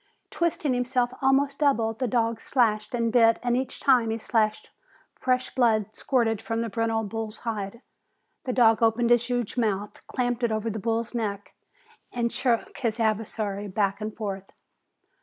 Twisting himself almost double, the dog slashed and bit and each time he slashed fresh blood spurted from the brindle bull's hide. The dog opened his huge mouth, clamped it over the bull's neck, and shook his adversary back and forth.